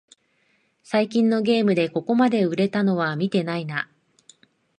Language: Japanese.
最近のゲームでここまで売れたのは見てないな